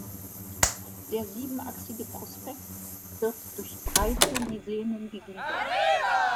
Der siebenachsige Prospekt wird durch breite Lisenen gegliedert.